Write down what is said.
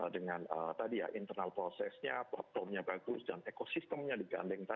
dengan tadi ya internal process nya platform nya bagus dan ekosistemnya digandeng tadi ya